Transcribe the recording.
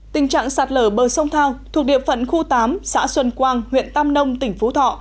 tình trạng sạt lở bờ sông thao thuộc địa phận khu tám xã xuân quang huyện tam nông tỉnh phú thọ